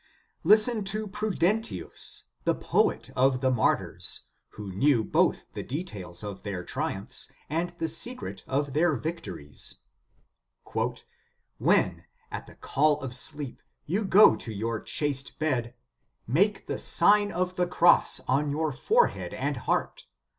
Listen to Prudentius, the poet of the mar tyrs, who knew both the details of their triumphs and the secret of their victories. "When, at the call of sleep, you go to your chaste bed, make the Sign of the Cross on 1 48 The Sign of the Cross your forehead and heart.